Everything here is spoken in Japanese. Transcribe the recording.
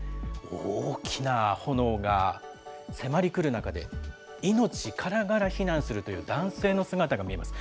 大きな炎が迫り来る中で、命からがら避難するという男性の姿が見えます。